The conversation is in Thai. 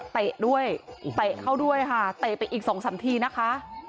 เตะด้วยเตะเข้าด้วยค่ะเตะไปอีกสองสามทีนะคะ